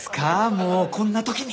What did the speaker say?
もうこんな時に！